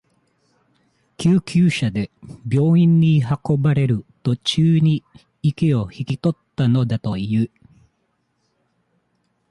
救急車で病院に運ばれる途中に、息を引き取ったのだという。